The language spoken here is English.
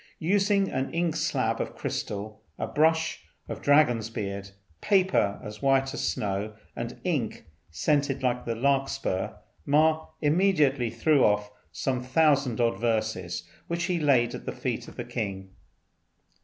Using an ink slab of crystal, a brush of dragon's beard, paper as white as snow, and ink scented like the larkspur, Ma immediately threw off some thousand odd verses, which he laid at the feet of the king.